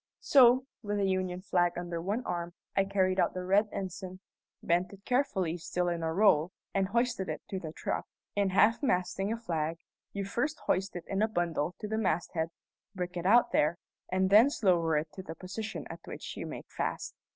So, with the Union flag under one arm, I carried out the red ensign, bent it carefully, still in a roll, and hoisted it to the truck. In half masting a flag, you first hoist it in a bundle to the masthead, break it out there, and thence lower it to the position at which you make fast.